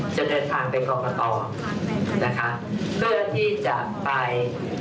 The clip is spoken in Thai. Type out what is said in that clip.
จะเดินทางไปกรกตนะคะเพื่อที่จะไป